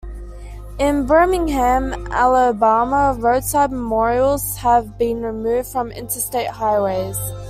In Birmingham, Alabama, roadside memorials have been removed from Interstate highways.